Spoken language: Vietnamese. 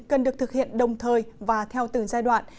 cần được thực hiện đồng thời và theo từng giai đoạn